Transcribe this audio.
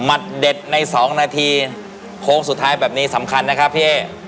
เด็ดในสองนาทีโค้งสุดท้ายแบบนี้สำคัญนะครับพี่เอ๊